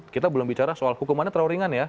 kita belum bicara soal hukumannya terlalu ringan ya